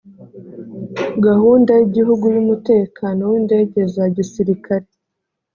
gahunda y’igihugu y’umutekano w’indege za gisilikare